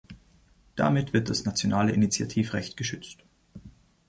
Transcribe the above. Damit wird das nationale Initiativrecht geschützt.